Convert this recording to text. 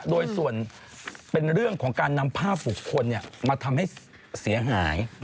โดยส่วนเป็นเรื่องของการนำภาพบุคคลมาทำให้เสียหาย